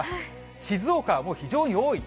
静岡はもう非常に多い。